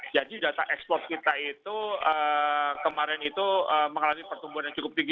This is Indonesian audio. jadi data ekspor kita itu kemarin itu mengalami pertumbuhan yang cukup tinggi